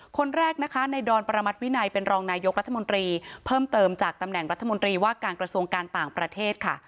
คนแรกนะคะในดอนประมัติวินัยเป็นรองนายกรัฐมนตรีเพิ่มเติมจากตำแหน่งรัฐมนตรีว่าการกระทรวงการต่างประเทศค่ะ